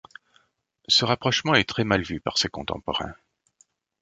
Ce rapprochement est très mal vu par ses contemporains.